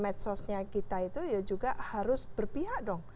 medsosnya kita itu ya juga harus berpihak dong